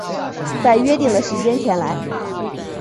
在约定的时间前来